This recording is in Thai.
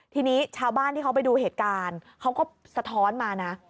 ทีนี้ชาวบ้านที่เขาไปดูเหตุการณ์เขาก็สะท้อนมานะ